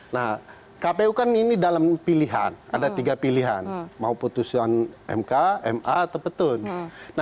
nah kpu kan ini dalam pilihan ada tiga pilihan mau putusan mk ma atau petun